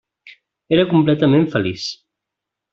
Era completament feliç.